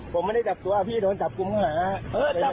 ผมไม่ได้จับตัวพี่โดนจับกลุ่มเมื่อไหร่นะครับ